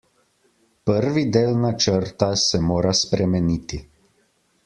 Prvi del načrta se mora spremeniti.